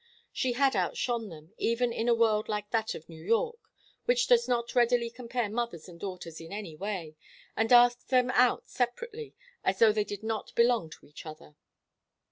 She had outshone them, even in a world like that of New York, which does not readily compare mothers and daughters in any way, and asks them out separately as though they did not belong to each other.